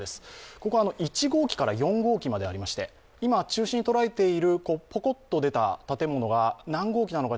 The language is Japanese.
ここは１号機から４号機までありまして、今、中心を捉えているぽこっと出た建物が何号機なのか